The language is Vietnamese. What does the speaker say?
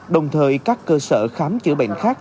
đồng thời các cơ sở khám chữa bệnh khác